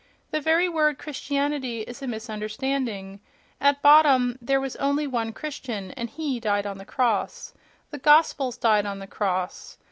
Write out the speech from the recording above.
—The very word "Christianity" is a misunderstanding—at bottom there was only one Christian, and he died on the cross. The "Gospels" died on the cross.